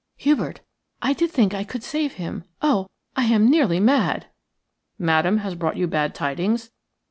"Hubert – I did think I could save him. Oh, I am nearly mad." "Madame has brought you bad tidings?"